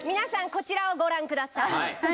こちらをご覧ください